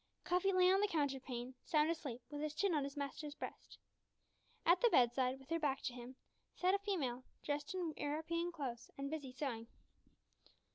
Cuffy lay on the counterpane, sound asleep, with his chin on his master's breast. At the bedside, with her back to him, sat a female, dressed in European clothes, and busy sewing.